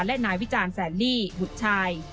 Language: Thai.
และนายวิจารณ์แสนหลี่บุตรชาย